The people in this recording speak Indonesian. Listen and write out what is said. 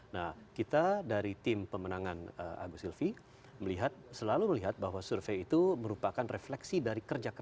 nah kita dari tim pemenangan agus silvi melihat selalu melihat bahwa survei itu merupakan refleksi dari kerja kpk